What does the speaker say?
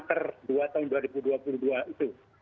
per dua tahun dua ribu dua puluh dua itu